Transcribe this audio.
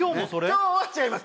今日は違います